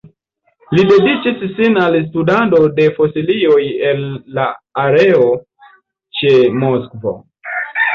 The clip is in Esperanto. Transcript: Li dediĉis sin al studado de fosilioj el la areo ĉe Moskvo.